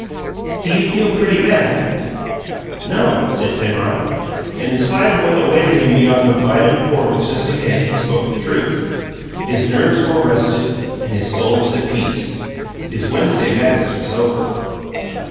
"Do you feel pretty bad?" "No," said Penrod, and, in spite of what awaited him beyond the lighted portals just ahead, he spoke the truth. His nerves were rested, and his soul was at peace. His Wednesday madness was over.